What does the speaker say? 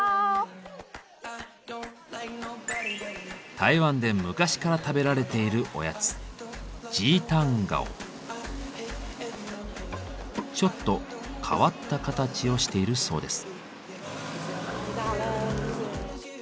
台湾で昔から食べられているおやつちょっと変わった形をしているそうです。